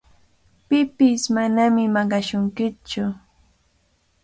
Pipish manami maqashunkimantsu.